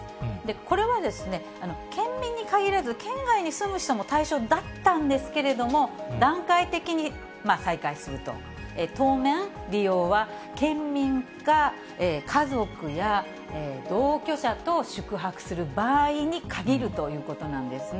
これは県民に限らず、県外に住む人も対象だったんですけれども、段階的に再開すると、当面、利用は県民か、家族や同居者と宿泊する場合に限るということなんですね。